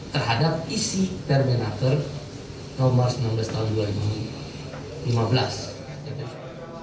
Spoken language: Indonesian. terhadap isi permenaker nomor sembilan belas tahun dua ribu lima belas